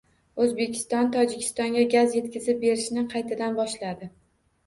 O‘zbekiston Tojikistonga gaz yetkazib berishni qaytadan boshladi